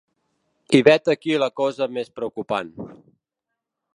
I vet aquí la cosa més preocupant.